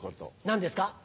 何ですか？